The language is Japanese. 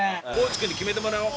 地君に決めてもらおう。